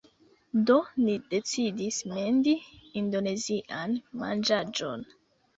Do, ni decidis mendi indonezian manĝaĵon